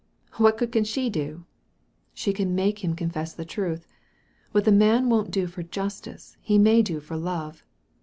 *« What good can she do ?"She can make him confess the truth. What the man won't do for justice he may do for love.